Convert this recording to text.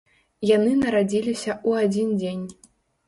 Яны нарадзіліся ў адзін дзень.